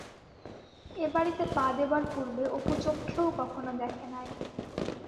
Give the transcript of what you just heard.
এ বাড়িতে পা দিবার পূর্বে অপু চক্ষেও কখনও দেখে নাই।